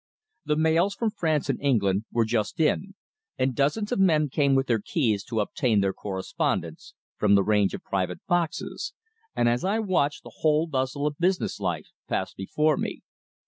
The mails from France and England were just in, and dozens of men came with their keys to obtain their correspondence from the range of private boxes, and as I watched, the whole bustle of business life passed before me.